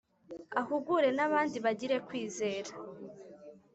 Ahugure nabandi bagire kwizera